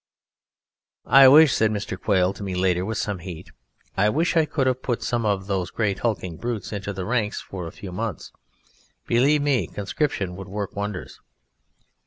"I wish," said Mr. Quail to me later, with some heat, "I wish I could have put some of those great hulking brutes into the ranks for a few months! Believe me, conscription would work wonders!"